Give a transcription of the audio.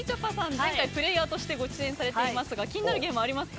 前回プレーヤーとしてご出演されていますが気になるゲームありますか？